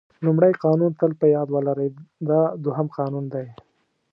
لومړی قانون تل په یاد ولرئ دا دوهم قانون دی.